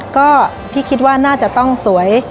ก็พี่คิดว่าน่าจะต้องสวย